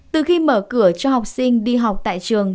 từ khi mở cửa cho học sinh đi học tại trường